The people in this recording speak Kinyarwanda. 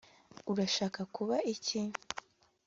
urashaka kuba iki